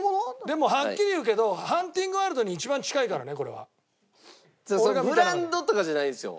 でもはっきり言うけどハンティング・ワールドに一番近いからねこれは。ブランドとかじゃないんですよ。